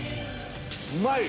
うまい！